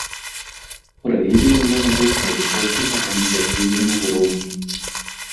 Праведзены ён быў на высокім арганізацыйным узроўні.